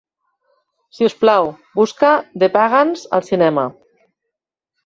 Sisplau, busca The Pagans al cinema.